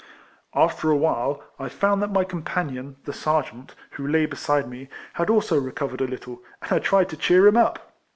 After awhile, I found that my companion, the sergeant, who lay beside me, bad also recovered a little, and I tried to cheer him up.